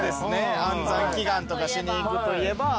安産祈願とかしに行くといえば。